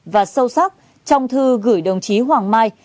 và sâu sắc trong thư gửi đồng chí hoàng mai